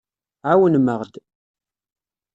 Ɛawnem-aɣ-d.